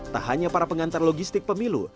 tak hanya para pengantar logistik pemilu